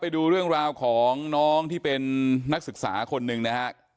ดูเรื่องราวของน้องที่เป็นนักศึกษาคนหนึ่งนะฮะ